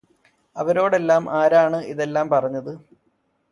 അവരോടെല്ലാം ആരാണ് ഇതെല്ലാം പറഞ്ഞത്